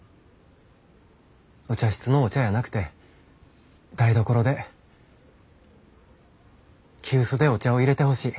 お茶室のお茶やなくて台所で急須でお茶をいれてほしい。